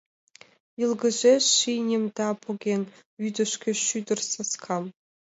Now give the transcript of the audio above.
Йылгыжеш ший Немда поген вӱдышкӧ шӱдыр саскам.